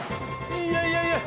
いやいやいや。